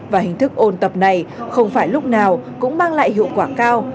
và hình thức ôn tập này không phải lúc nào cũng mang lại hiệu quả cao